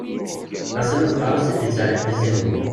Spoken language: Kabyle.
Ad as-tiniḍ d taɣrast i d-itt-serriḥen i tzizwa.